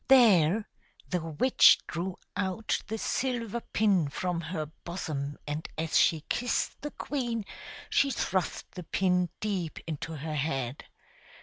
There the witch drew out the silver pin from her bosom, and as she kissed the queen she thrust the pin deep into her head.